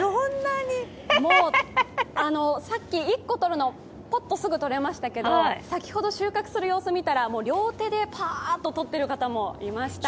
もう、さっき１個とるのぽっとすぐとれましたけど先ほど収穫する様子を見たら両手でパーッととっている方がいました。